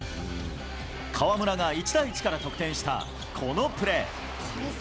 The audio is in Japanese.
河村が１対１から得点したこのプレー。